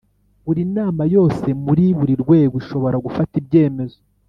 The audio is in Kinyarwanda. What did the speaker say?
Buri nama yose muri buri rwego ishobora gufata ibyemezo